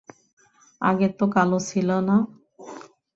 আগে তো কালো ছিল না!